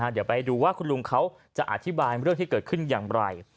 เดี๋ยวไปดูว่าคุณลุงเขาจะอธิบายเรื่องที่เกิดขึ้นอย่างไร